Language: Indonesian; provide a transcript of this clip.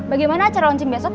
bagaimana acara launching besok